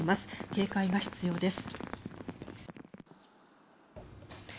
警戒が必要です。